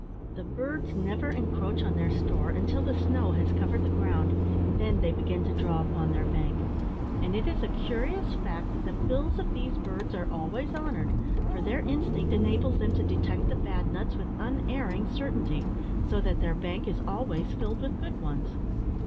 The birds never encroach on their store until the snow has covered the ground, then they begin to draw upon their bank; and it is a curious fact that the bills of these birds are always honoured, for their instinct enables them to detect the bad nuts with unerring certainty, so that their bank is always filled with good ones.